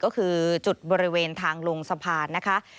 ก็คือจุดบริเวณทางลงสะพานนะคะ